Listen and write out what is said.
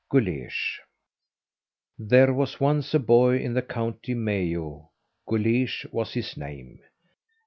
GULEESH There was once a boy in the County Mayo; Guleesh was his name.